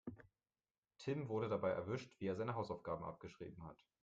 Tim wurde dabei erwischt, wie er seine Hausaufgaben abgeschrieben hat.